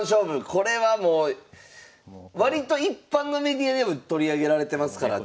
これはもう割と一般のメディアでも取り上げられてますから。